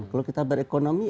kalau kita berekonomi